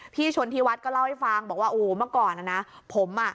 พี่ชนธิวัฒน์ก็เล่าให้ฟังบอกว่าโอ้เมื่อก่อนนะผมอ่ะ